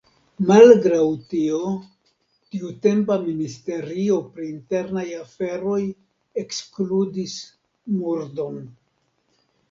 Malgraŭ tio tiutempa ministerio pri internaj aferoj ekskludis murdon.